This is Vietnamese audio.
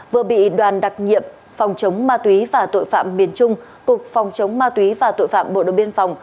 vừa bị đoàn đặc nhiệm phòng chống ma túy và tội phạm miền trung cục phòng chống ma túy và tội phạm bộ đội biên phòng